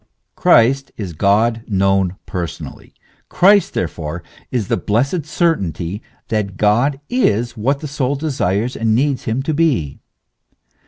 Christ is God known per sonally ; Christ, therefore, is the blessed certainty that God is what the soul desires and needs him to be.